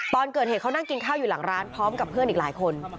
ตอนเกิดเหตุเขานั่งกินข้าวอยู่หลังร้านพร้อมกับเพื่อนอีกหลายคน